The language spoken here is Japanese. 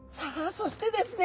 そしてですね